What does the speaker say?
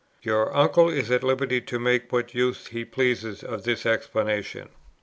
"Your uncle is at liberty to make what use he pleases of this explanation."